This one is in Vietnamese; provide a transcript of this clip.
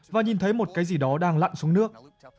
và nhìn thấy một cái gì đó đang lặn xuống nước